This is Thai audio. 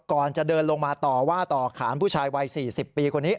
ก่อนจะเดินลงมาต่อว่าต่อขานผู้ชายวัย๔๐ปีคนนี้